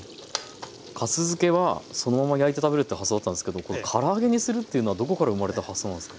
かす漬けはそのまま焼いて食べるって発想だったんですけどこのから揚げにするというのはどこから生まれた発想なんですか？